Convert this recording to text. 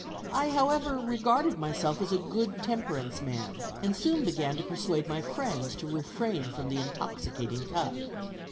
I however regarded myself as a good temperance man, and soon began to persuade my friends to refrain from the intoxicating cup.